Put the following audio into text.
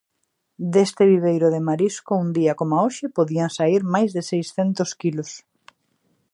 Deste viveiro de marisco un día coma hoxe podían saír máis de seiscentos quilos.